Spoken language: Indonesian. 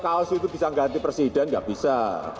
kaos itu bisa ganti presiden nggak bisa